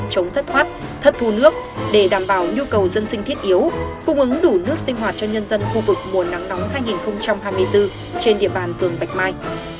chống thất thoát thất thu nước để đảm bảo nhu cầu dân sinh thiết yếu cung ứng đủ nước sinh hoạt cho nhân dân khu vực mùa nắng nóng hai nghìn hai mươi bốn trên địa bàn phường bạch mai